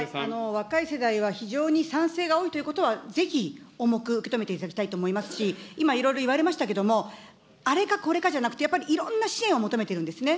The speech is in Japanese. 若い世代は非常に賛成が多いということは、ぜひ重く受け止めていただきたいと思いますし、今いろいろ言われましたけれども、あれかこれかじゃなくて、やっぱりいろんな支援を求めてるんですね。